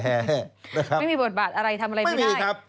ไม่มีบทบาทอะไรทำอะไรไม่ได้ไม่มีครับ